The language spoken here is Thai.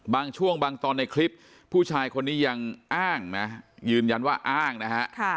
บางช่วงบางตอนในคลิปผู้ชายคนนี้ยังอ้างนะยืนยันว่าอ้างนะฮะ